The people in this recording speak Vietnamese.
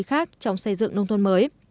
khác trong xây dựng nông thôn mới